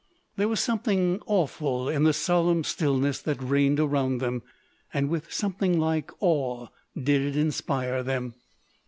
There was something awful in the solemn stillness that reigned around them; and with something like awe did it inspire them.